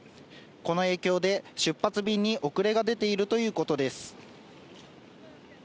この影響で、出発便に遅れが出ているということです。